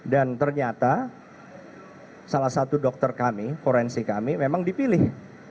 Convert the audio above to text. dan ternyata salah satu dokter kami forensik kami memang dipilih